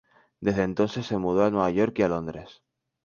Desde entonces se mudó a Nueva York y a Londres.